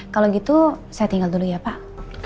kalau gitu saya tinggal dulu ya pak